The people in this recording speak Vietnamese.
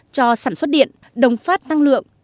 cho sản xuất điện đồng phát năng lượng